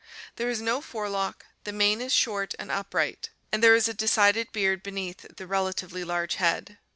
There is no fore lock, the mane is short and upright, and there is a decided beard beneath the relatively large head.